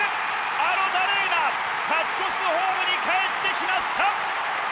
アロザレーナ勝ち越しのホームにかえってきました！